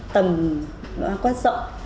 tầm quan trọng